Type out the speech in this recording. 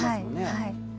はい。